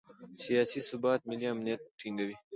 سیاسي ثبات ملي امنیت ټینګوي